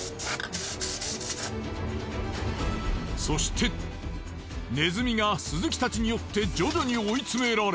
そしてネズミが鈴木たちによって徐々に追い詰められ。